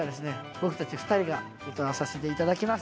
僕たち２人が歌わさせて頂きます。